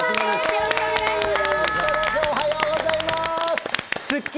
よろしくお願いします。